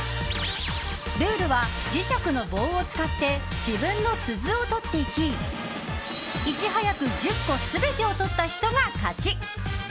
ルールは、磁石の棒を使って自分の鈴を取っていきいち早く１０個全てを取った人が勝ち。